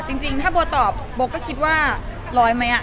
เอ่อจริงถ้าบัวตอบบุ๊คก็คิดว่าร้อยไหมอ่ะ